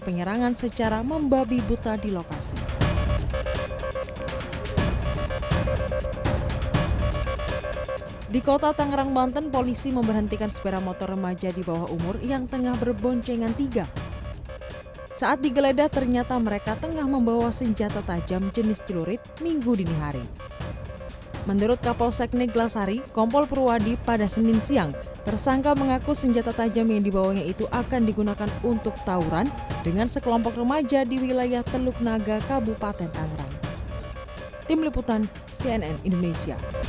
pada senin siang tersangka mengaku senjata tajam yang dibawanya itu akan digunakan untuk tawuran dengan sekelompok remaja di wilayah teluk naga kabupaten angerang